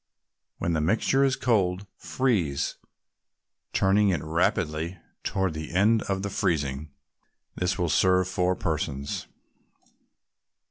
When the mixture is cold, freeze, turning it rapidly toward the end of the freezing. This will serve four persons.